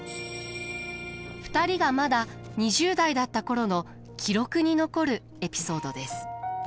２人がまだ２０代だった頃の記録に残るエピソードです。